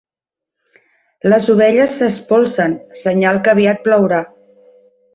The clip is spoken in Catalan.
Les ovelles s'espolsen: senyal que aviat plourà.